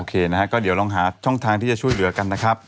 นะฮะก็เดี๋ยวลองหาช่องทางที่จะช่วยเหลือกันนะครับ